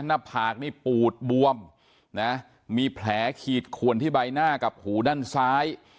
หน้าผากนี่ปูดบวมนะมีแผลขีดขวนที่ใบหน้ากับหูด้านซ้าย